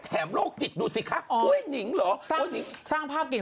แถมโลกจิตดูสิคะอ๋อเฮ้ยนิ่งเหรอสร้างสร้างภาพเก่ง